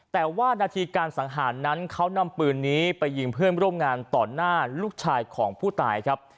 แต่ว่านาทีการสังหารนั้นเขานำปืนนี้ไปยิงเพื่อนร่วมงานต่อหน้าลูกชายของผู้ตายครับ